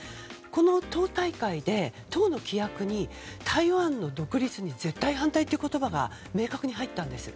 この党大会で、党の規約に台湾の独立に絶対反対という言葉が明確に入ったんです。